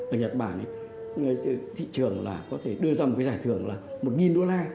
ở nhật bản thị trường là có thể đưa ra một cái giải thưởng là một đô la